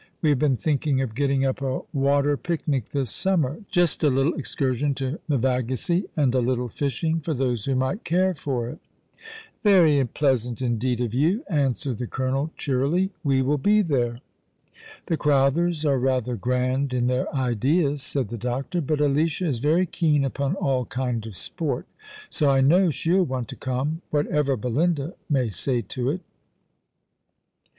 We have been thinking of getting up a water picnic this summer— just a little excursion to Meva gissey, and a little fishing for those who might care for it." "Very pleasant, indeed, of you," answered the colonel, cheerily. " We will be there." " The Crowthers arc rather grand in their ideas," said the doctor, " but Alicia is very keen upon all kind of sport, so I know she'll want to come, whatever Belinda may say to it."